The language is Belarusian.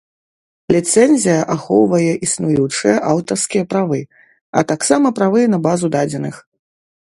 Ліцэнзія ахоўвае існуючыя аўтарскія правы, а таксама правы на базу дадзеных.